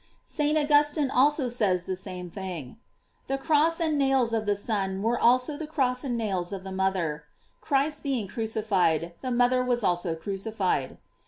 J St. Augustine also says the same thing: The cross and nails of the Son were also the cross and nails of the mother; Christ being crucified, the mother was also crucified.